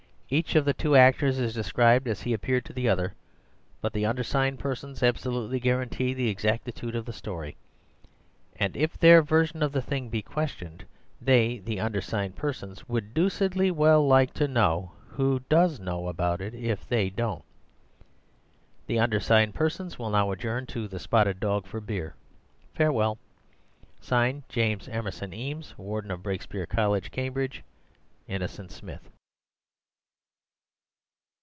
Each of the two actors is described as he appeared to the other. But the undersigned persons absolutely guarantee the exactitude of the story; and if their version of the thing be questioned, they, the undersigned persons, would deucedly well like to know who does know about it if they don't. "The undersigned persons will now adjourn to 'The Spotted Dog' for beer. Farewell. "(Signed) James Emerson Eames, "Warden of Brakespeare College, Cambridge. "Innocent Smith."